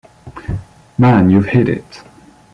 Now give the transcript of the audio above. Man, you've hit it!